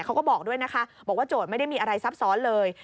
เขาก็บอกด้วยนะคะบอกว่าโจทย์ไม่ได้มีอะไรซับซ้อนเลย